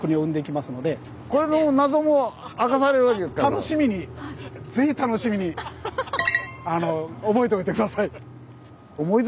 楽しみにぜひ楽しみに覚えておいて下さい。